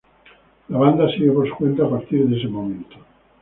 La banda sigue por su cuenta a partir de ese momento.